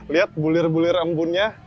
lihat bulir bulir embunuh